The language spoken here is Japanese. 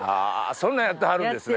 そんなんやってはるんですね。